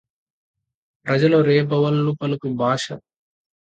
ప్రజలు రేబవళ్ళు పలుకు భాష